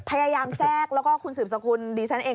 พยายามแทรกแล้วก็คุณสืบสกุลดิฉันเอง